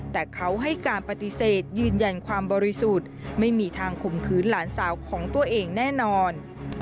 แต่เขาให้การปฏิเสธยืนยันความบริสุทธิ์ไม่มีทางข่มขืนหลานสาวของตัวเองแน่นอน